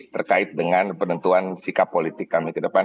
terkait dengan penentuan sikap politik kami kedepan